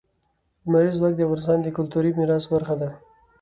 لمریز ځواک د افغانستان د کلتوري میراث برخه ده.